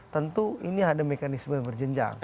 tentu ini ada mekanisme yang berjenjang